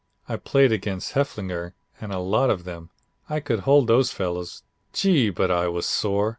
I played against Heffelfinger and a lot of them. I could hold those fellows. Gee! but I was sore.